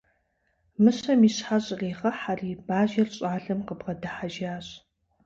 Мыщэм и щхьэр щӏригъэхьэри, бажэр щӏалэм къыбгъэдыхьэжащ.